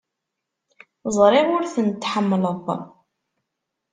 Ẓriɣ ur tent-tḥemmleḍ.